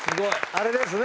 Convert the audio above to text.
あれですね